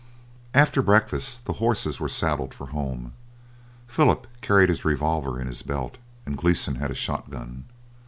After breakfast the horses were saddled for home. Philip carried his revolver in his belt, and Gleeson had a shot gun.